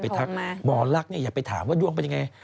ทักหมอลักษ์อย่าไปถามว่าดวงเป็นยังไง